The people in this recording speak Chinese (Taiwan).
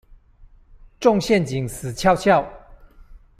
中陷阱死翹翹